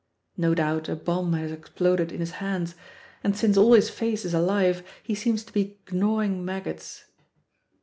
No doubt a bomb had exploded in his hands; and since all his face is alive, he seems to be gnawing maggots.